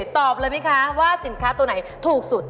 ตอบเลยไหมคะว่าสินค้าตัวไหนถูกสุด